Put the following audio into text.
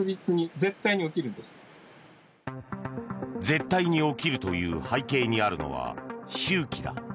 絶対に起きるという背景にあるのは周期だ。